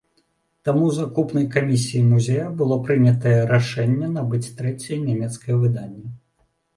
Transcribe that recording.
Таму закупнай камісіяй музея было прынятае рашэнне набыць трэцяе нямецкае выданне.